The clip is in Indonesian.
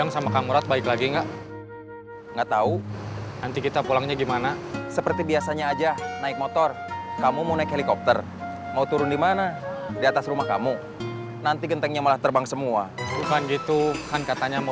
sampai jumpa di video selanjutnya